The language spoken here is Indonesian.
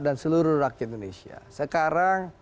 dan seluruh rakyat indonesia sekarang